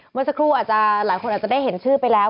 เมื่อสักครู่อาจจะหลายคนอาจจะได้เห็นชื่อไปแล้ว